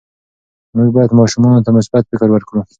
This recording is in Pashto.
موږ باید ماشومانو ته مثبت فکر ورکړو.